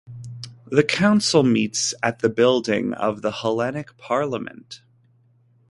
The Council meets at the building of the Hellenic Parliament.